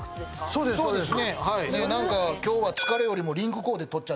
そうですそうです。